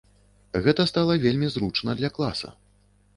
Гэта стала вельмі зручна для класа.